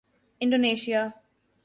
Indonesia